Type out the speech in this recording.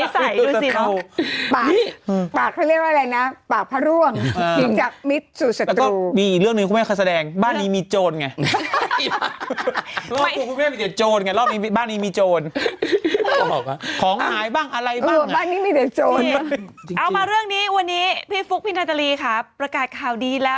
ศัตรูหัวใจเอ้อแม่รักทันที